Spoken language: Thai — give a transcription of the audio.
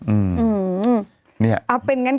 เออเป็นอย่างงั้น